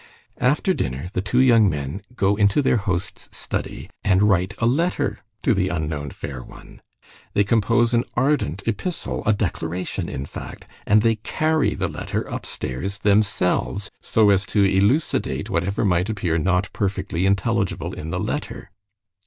After dinner the two young men go into their host's study, and write a letter to the unknown fair one. They compose an ardent epistle, a declaration in fact, and they carry the letter upstairs themselves, so as to elucidate whatever might appear not perfectly intelligible in the letter."